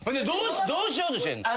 どうしようとしてんの？